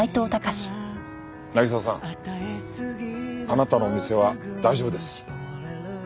あなたのお店は大丈夫です。